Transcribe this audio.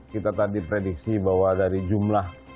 kita tadi prediksi bahwa dari jumlah